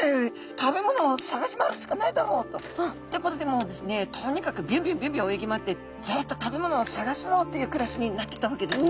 食べ物を探し回るしかないだろうと。ということでもうですねとにかくビュンビュンビュンビュン泳ぎ回ってずっと食べ物を探すぞっていう暮らしになってったわけですね。